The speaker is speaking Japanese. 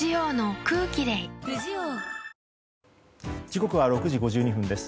時刻は６時５２分です。